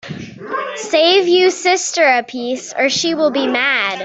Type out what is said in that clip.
Save you sister a piece, or she will be mad.